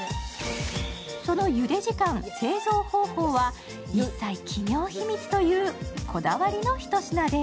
そのゆで時間、製造方法は一切企業秘密というこだわりの一品です。